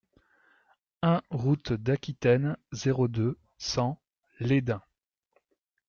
un route d'Aquitaine, zéro deux, cent Lesdins